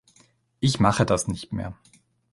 Ich mache das nicht mehr.